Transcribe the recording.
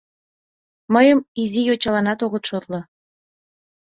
Мыйым изи йочаланат огыт шотло.